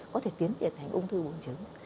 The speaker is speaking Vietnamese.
có thể biến chuyển thành ung thư bùng trứng